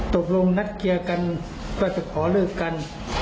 ตกลงนัดเคลียร์กันว่าจะขอเลิกกัน